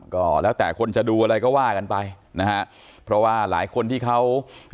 ก็แล้วแต่คนจะดูอะไรก็ว่ากันไปนะฮะเพราะว่าหลายคนที่เขา